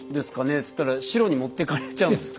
っつったら白に持ってかれちゃうんですか？